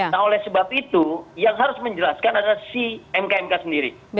nah oleh sebab itu yang harus menjelaskan adalah si mk mk sendiri